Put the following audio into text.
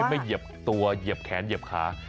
ไม่เหยียบตัวเหยียบแขนเหยียบขา